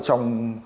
trong đối tượng